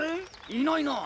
いないなあ。